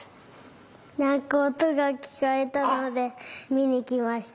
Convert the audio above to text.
なんかおとがきこえたのでみにきました。